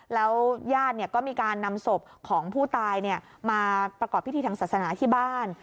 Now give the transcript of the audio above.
แล้วญาติก็มีการนำศพของผู้ตายมาประกอบพิธีทางศาสนาที่บ้าน